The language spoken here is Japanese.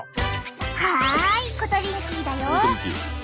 はいコトリンキーだよ！